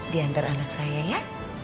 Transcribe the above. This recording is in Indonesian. diantar anak saya ya